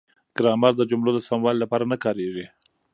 ګرامر د جملو د سموالي لپاره نه کاریږي.